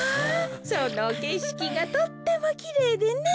そのけしきがとってもきれいでね。